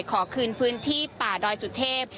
ขอคืนพื้นที่ป่าดอยสุเทพ